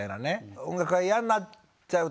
音楽が嫌になっちゃうと。